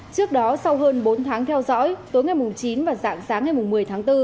trước đó sau hơn bốn tháng theo dõi tối ngày chín và dạng sáng ngày một mươi tháng bốn